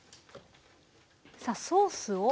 さあソースを。